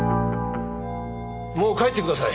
もう帰ってください。